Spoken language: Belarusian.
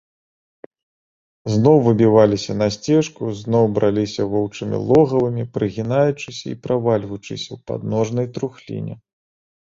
Зноў выбіваліся на сцежку, зноў браліся воўчымі логавамі, прыгінаючыся і правальваючыся ў падножнай трухліне.